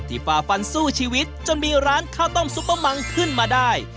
ฝ่าฟันสู้ชีวิตจนมีร้านข้าวต้มซุปเปอร์มังขึ้นมาได้